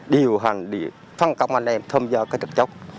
điều hành phân công anh em thông do các trực chốc